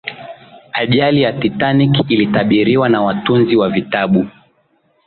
ajali ya titanic ilitabiriwa na watunzi wa vitabu